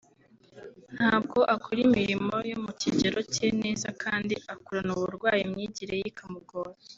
ntabwo akora imirimo yo mu kigero cye neza kandi akurana uburwayi imyigire ye ikamugora